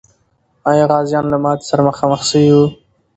آیا غازیان له ماتي سره مخامخ سوي و؟